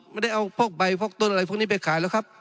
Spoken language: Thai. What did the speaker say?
ไม่ได้เอาพวกใบพวกต้นอะไรพวกนี้ไปขายแล้วครับ